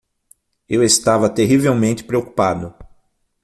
Eu estava terrivelmente preocupado.